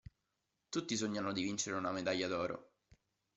Tutti sognano di vincere una medaglia d'oro.